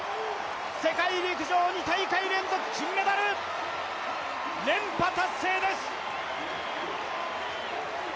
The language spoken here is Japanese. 世界陸上２大会連続金メダル、連覇達成です！